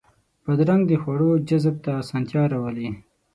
بادرنګ د خواړو جذب ته اسانتیا راولي.